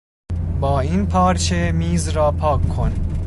با این پارچه میز را پاک کن.